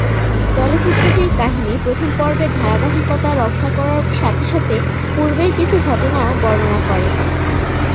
চলচ্চিত্রটির কাহিনী প্রথম পর্বের ধারাবাহিকতা রক্ষা করার সাথে সাথে পূর্বের কিছু ঘটনাও বর্ণনা করে।